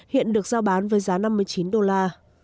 hiện được giao bán với giá năm mươi chín đô la